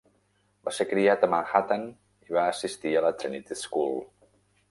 Va ser criat a Manhattan i va assistir a la Trinity School.